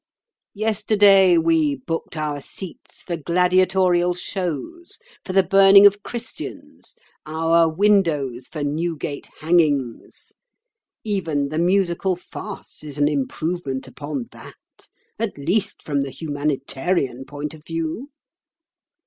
Yesterday we booked our seats for gladiatorial shows, for the burning of Christians, our windows for Newgate hangings. Even the musical farce is an improvement upon that—at least, from the humanitarian point of view."